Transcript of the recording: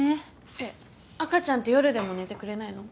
えっ赤ちゃんって夜でも寝てくれないの？